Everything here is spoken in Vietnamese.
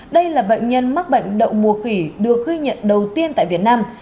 đây là bệnh nhân mắc bệnh đậu mùa khỉ được ghi nhận đầu tiên tại việt nam